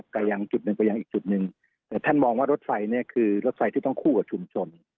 ก็ยังจุดหนึ่งก็ยังอีกจุดหนึ่งแต่ท่านมองว่ารถไฟเนี่ยคือรถไฟที่ต้องคู่กับชุมชน